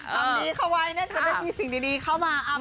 ทำดีเข้าไว้เนี่ยจะได้มีสิ่งดีเข้ามา